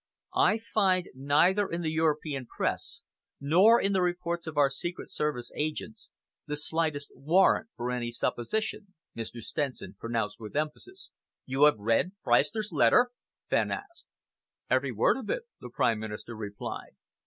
"I find neither in the European Press nor in the reports of our secret service agents the slightest warrant for any such supposition," Mr. Stenson pronounced with emphasis. "You have read Freistner's letter?" Fenn asked. "Every word of it," the Prime Minister replied.